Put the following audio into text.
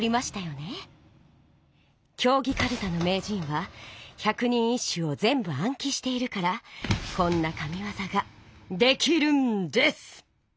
競技かるたの名人は「百人一首」をぜんぶあん記しているからこんな神わざができるんです！